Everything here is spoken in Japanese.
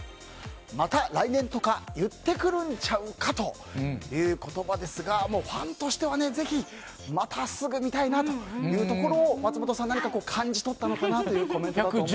また、来年とか言うてくるんちゃうかという言葉でしたがファンとしては、ぜひまたすぐ見たいなというところを松本さん、何か感じ取ったのかなというコメントだと。